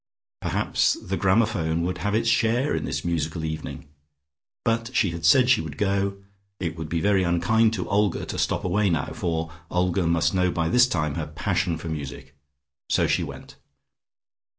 Perhaps the gramophone would have its share in this musical evening. But she had said she would go: it would be very unkind to Olga to stop away now, for Olga must know by this time her passion for music, so she went.